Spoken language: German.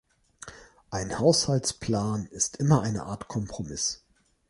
Ein Haushaltsplan ist immer eine Art Kompromiss.